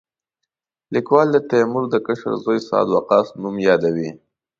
لیکوال د تیمور د کشر زوی سعد وقاص نوم یادوي.